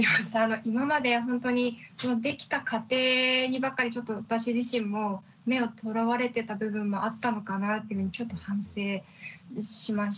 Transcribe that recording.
今までほんとにできた過程にばかりちょっと私自身も目をとらわれてた部分もあったのかなっていうふうにちょっと反省しましたし